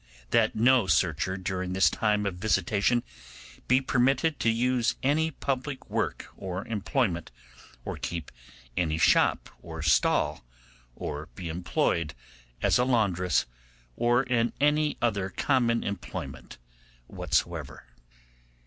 'That no searcher during this time of visitation be permitted to use any public work or employment, or keep any shop or stall, or be employed as a laundress, or in any other common employment whatsoever.